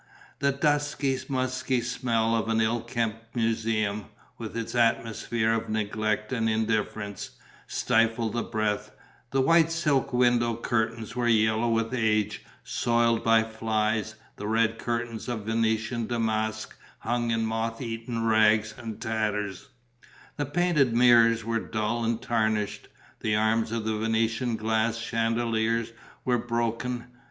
The dusty, musty smell of an ill kept museum, with its atmosphere of neglect and indifference, stifled the breath; the white silk window curtains were yellow with age, soiled by flies; the red curtains of Venetian damask hung in moth eaten rags and tatters; the painted mirrors were dull and tarnished; the arms of the Venetian glass chandeliers were broken.